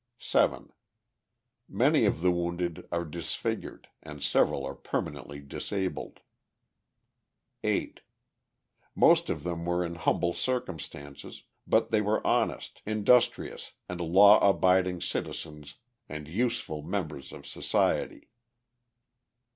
7. Many of the wounded are disfigured, and several are permanently disabled. 8. Most of them were in humble circumstances, but they were honest, industrious and law abiding citizens and useful members of society.